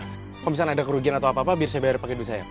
kalau misalnya ada kerugian atau apa apa biar saya bayar pakai duit saya